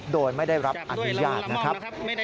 โดยไม่ได้รับอนุญาตนะครับ